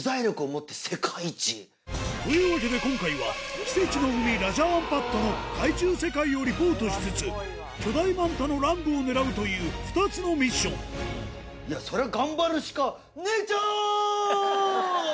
というわけで今回は奇跡の海ラジャ・アンパットの海中世界をリポートしつつ巨大マンタの乱舞を狙うという２つのミッションいやそれは。